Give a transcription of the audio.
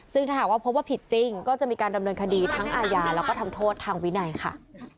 ซึ่งถ้าหากว่าพบว่าผิดจริงก็จะมีการดำเนินคดีทั้งอาญาแล้วก็ทำโทษทางวินัยค่ะ